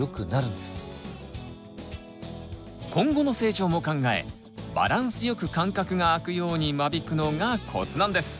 今後の成長も考えバランスよく間隔があくように間引くのがコツなんです！